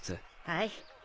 はい。